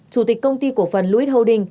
chủ tịch công ty cổ phần louis holding